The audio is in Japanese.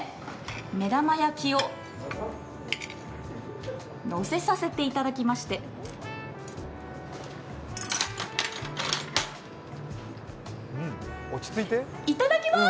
目玉焼きをのせさせていただきましていただきます！